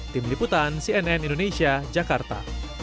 tim liputan cnn indonesia jakarta